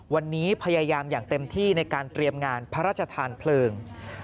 วันนี้พยายามอย่างเต็มที่ในการเตรียมงานพระราชทานเพลิง